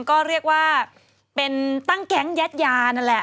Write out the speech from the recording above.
ก็เรียกว่าเป็นตั้งแก๊งยัดยานั่นแหละ